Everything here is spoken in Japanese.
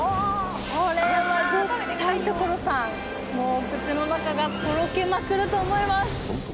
これは絶対所さんもうお口の中がとろけまくると思います。